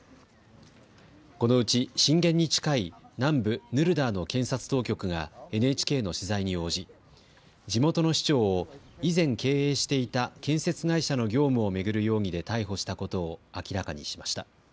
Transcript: このうち震源に近い南部ヌルダーの検察当局がＮＨＫの取材に応じ地元の市長を以前、経営していた建設会社の業務を巡る容疑で逮捕したことを明らかにしました。